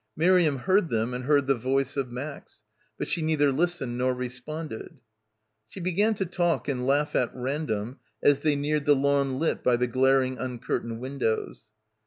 Miriam heard them and heard the voice of Max. But she neither listened nor responded. She began to talk and laugh at random as they neared the lawn lit by the glaring uncurtained windows.